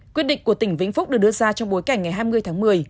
quyết định của tỉnh vĩnh phúc được đưa ra trong bối cảnh ngày hai mươi tháng một mươi